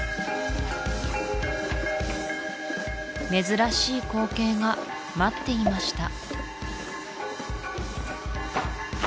珍しい光景が待っていました